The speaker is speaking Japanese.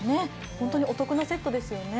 本当にお得なセットですね。